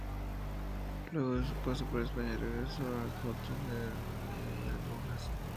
Luego de su paso por España, regresó al Hajduk y de ahí al Brujas.